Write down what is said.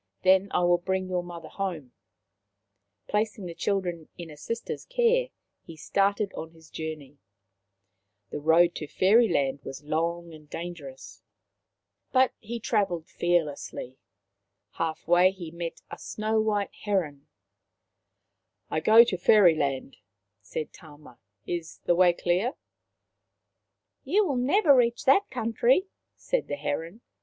Then I will bring your mother home." Placing the children in a sister's care, he started on his journey. The road to Fairyland was long and dangerous, TAMA'S FLIGHT ACROSS THE MOUNTAINS. 199 Tama and his Wife 201 but he travelled fearlessly. Half way he met a snow white heron. " I go to Fairyland/* said Tama. " Is the way clear ?"" You will never reach that country/' said the heron.